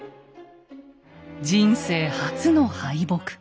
人生初の敗北。